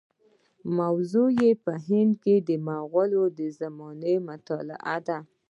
موضوع یې په هند کې د مغولو د زمانې مطالعه ده.